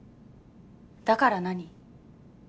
だから何？